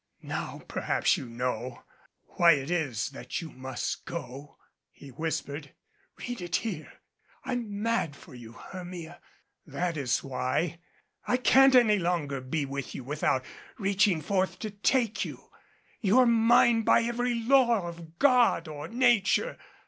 "Now perhaps you know ... why it is that you must go," he whispered. "Read it here. I'm mad for you, Hermia that is why. I can't any longer be with you without reaching forth to take you ... you're mine by every law of God or Nature.